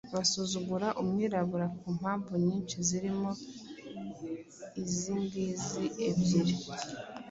Basuzuguraga umwirabura ku mpamvu nyinshi zirimo izingizi ebyiri